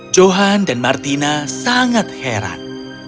johan dan martina sangat heran